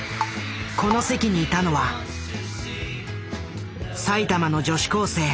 この席にいたのは埼玉の女子高生。